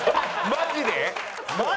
マジで！？